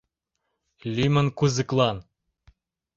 Лӱмын кузыклан.